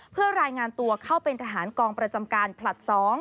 เพื่อรายงานตัวเข้าเป็นทหารกองประจำการผลัด๒